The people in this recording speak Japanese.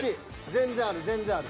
全然ある全然ある。